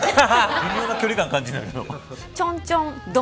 微妙な距離感、感じるけど。